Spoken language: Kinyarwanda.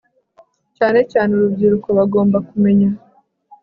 cyane cyane urubyiruko bagomba kumenya